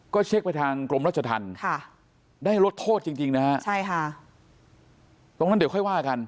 ก็เช็คไปทางกรมรัชธรรมได้ลดโทษจริงนะฮะใช่ค่ะตรงนั้นเดี๋ยวค่อยว่ากัน